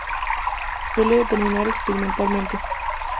Se suele determinar experimentalmente.